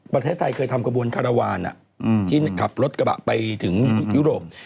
ประเทศไทยเคยทำกระบวนคารวาลที่ขับรถกระบะไปถึงยุโรป